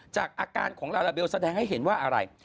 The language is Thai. จากอาการของลาลาเบลแสดงให้เห็นว่าอะไร